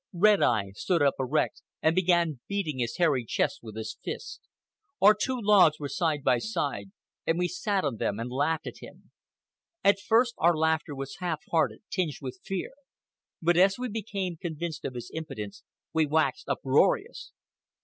Red Eye stood up erect and began beating his hairy chest with his fist. Our two logs were side by side, and we sat on them and laughed at him. At first our laughter was half hearted, tinged with fear, but as we became convinced of his impotence we waxed uproarious.